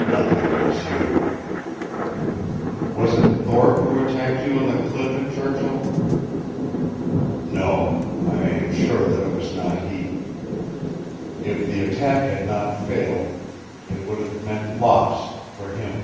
"Nothing, M'sieur." "Was it Thorpe who attacked you on the cliff at Churchill?" "No, I am sure that it was not he. If the attack had not failed it would have meant loss for him.